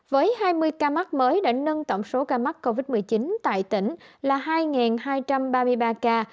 với hai mươi ca mắc mới đã nâng tổng số ca mắc covid một mươi chín tại tỉnh là hai hai trăm ba mươi ba ca